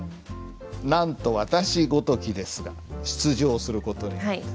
「なんと私ごときですが出場することになってます」。